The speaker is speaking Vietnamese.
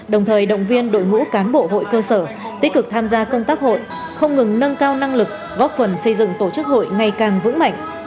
đồng thời động viên đội ngũ cán bộ hội cơ sở tích cực tham gia công tác hội không ngừng nâng cao năng lực góp phần xây dựng tổ chức hội ngày càng vững mạnh